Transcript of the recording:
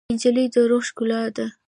نجلۍ د روح ښکلا ده.